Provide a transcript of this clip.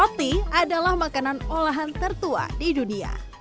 roti adalah makanan olahan tertua di dunia